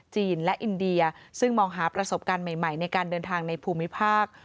และอินเดียซึ่งมองหาประสบการณ์ใหม่ในการเดินทางในภูมิภาค